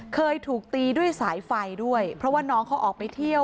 เคยถูกตีด้วยสายไฟด้วยเพราะว่าน้องเขาออกไปเที่ยว